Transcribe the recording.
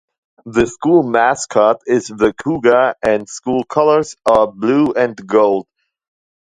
The school mascot is the Cougar and school colors are blue and gold.